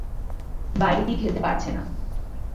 বাইরে গিয়ে খেলতে পারছে না।